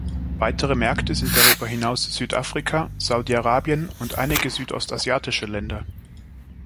Weitere Märkte sind darüber hinaus Südafrika, Saudi-Arabien und einige südostasiatische Länder.